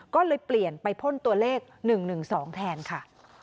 ก็เลยเปลี่ยนไปพ่นตัวเลข๑๑๒แทนค่ะ